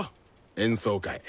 演奏会。